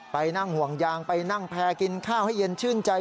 ไปนั่งห่วงยางไปนั่งแพร่กินข้าวให้เย็นชื่นใจ